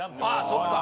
そっか。